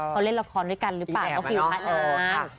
พอเล่นละครด้วยกันหรือเปล่าก็ฟีลแฟนมาก